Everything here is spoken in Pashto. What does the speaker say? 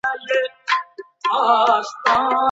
څنګه لوی سوداګر تازه میوه اروپا ته لیږدوي؟